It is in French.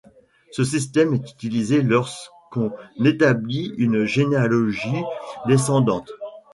Ce système est utilisé lorsqu'on établit une généalogie descendante.